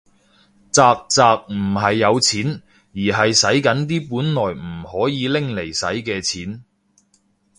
宅宅唔係有錢，而係洗緊啲本來唔可以拎嚟洗嘅錢